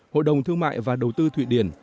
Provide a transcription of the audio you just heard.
hội đồng thương mại và đầu tư thụy điển